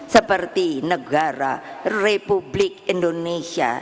seperti negara republik indonesia